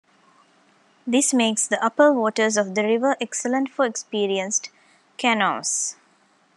This makes the upper waters of the river excellent for experienced canoers.